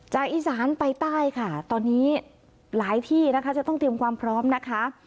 อีสานไปใต้ค่ะตอนนี้หลายที่นะคะจะต้องเตรียมความพร้อมนะคะ